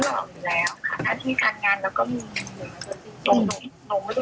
ทำไมเขาไม่มาคุยกับเราแล้วเมื่อกลางคุยกันว่า